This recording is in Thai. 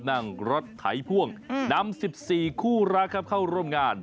นั่งรถไถพ่วงนำ๑๔คู่รักครับเข้าร่วมงาน